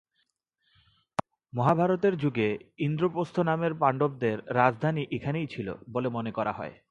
মহাভারতের যুগে ইন্দ্রপ্রস্থ নামে পাণ্ডবদের রাজধানী এখানেই ছিল বলে মনে করা হয়।